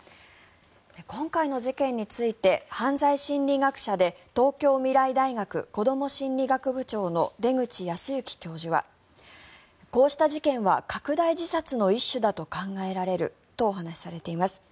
今回の事件について犯罪心理学者で東京未来大学こども心理学部長の出口保行教授はこうした事件は拡大自殺の一種だと考えられるとお話しされています。